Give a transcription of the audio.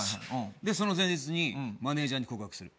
でその前日にマネジャーに告白する。